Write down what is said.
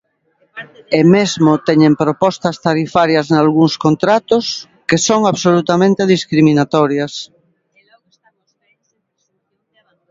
E mesmo teñen propostas tarifarias nalgúns contratos que son absolutamente discriminatorias.